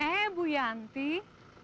tapi harus membawa maksimal